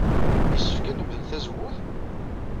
Yessefk ad nemdel tazewwut?